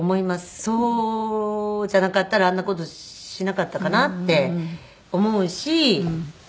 そうじゃなかったらあんな事しなかったかなって思うし。